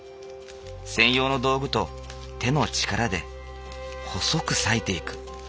専用の道具と手の力で細く割いていく。